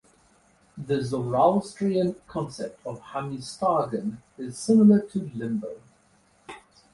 The Zoroastrian concept of "hamistagan" is similar to limbo.